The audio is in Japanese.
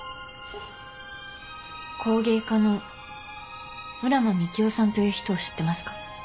工芸家の浦真幹夫さんという人を知ってますか？